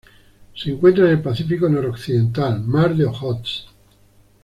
Se encuentra en el Pacífico noroccidental: Mar de Ojotsk.